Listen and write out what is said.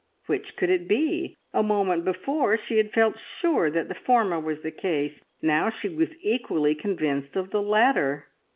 Which could it be? A moment before she had felt sure that the former was the case, now she was equally convinced of the latter.